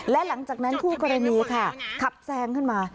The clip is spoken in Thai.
และหลังจากนั้นคู่กรณีค่ะขับแซงขึ้นมา